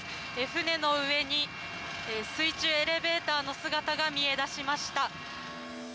船の上に水中エレベーターの姿が見え出しました。